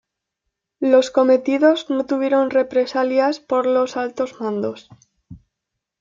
Los cometidos no tuvieron represalias por los Altos Mandos.